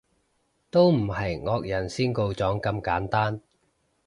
都唔係惡人先告狀咁簡單